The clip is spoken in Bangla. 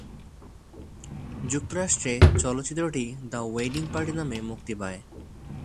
যুক্তরাষ্ট্রে চলচ্চিত্রটি দ্য ওয়েডিং পার্টি নামে মুক্তি পায়।